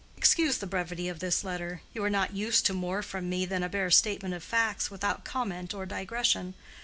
Excuse the brevity of this letter. You are not used to more from me than a bare statement of facts, without comment or digression.